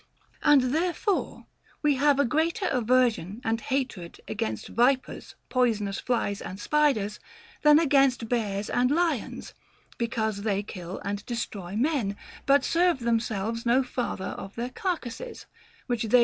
As therefore we have a greater aversion and hatred against vipers, poisonous flies, and spiders than against bears and lions, because they kill and destroy men, but serve themselves no farther of their carcasses, which they 300 OF THE LOVE OF WEALTH.